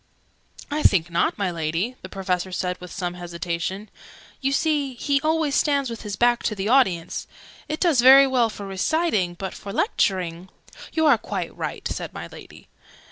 "I think not, my Lady?" the Professor said with some hesitation. "You see, he always stands with his back to the audience. It does very well for reciting; but for lecturing " "You are quite right," said my Lady.